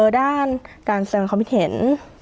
ด้านการสัญญาณความคิดเห็น